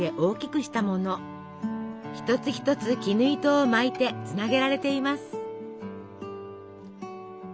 一つ一つ絹糸を巻いてつなげられています。